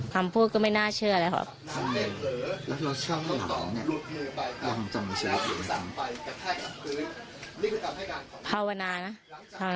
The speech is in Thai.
คำพูดก็ไม่น่าเชื่ออะไรครับแล้วถ้าเชื่อไม่หลังเนี่ยว่าเขาจะมีชีวิตอยู่ไหมครับ